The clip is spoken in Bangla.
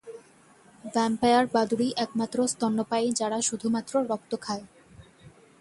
ভ্যাম্পায়ার বাদুড়ই একমাত্র স্তন্যপায়ী যারা শুধুমাত্র রক্ত খায়।